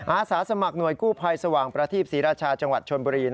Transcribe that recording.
อาสาสมัครหน่วยกู้ภัยสว่างประทีปศรีราชาจังหวัดชนบุรี